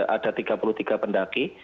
ada tiga puluh tiga pendaki